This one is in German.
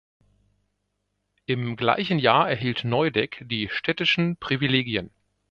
Im gleichen Jahr erhielt Neudek die städtischen Privilegien.